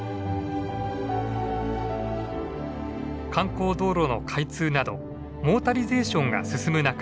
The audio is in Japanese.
観光道路の開通などモータリゼーションが進む中